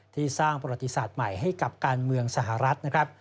ที่สร้างประวัติศาสตร์ใหม่ให้กับการเมืองสหรัฐนะครับ